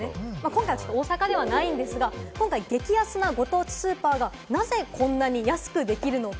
今回は大阪ではないんですが、今回は激安なご当地スーパーがなぜこんなに安くできるのか。